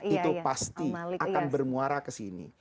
itu pasti akan bermuara kesini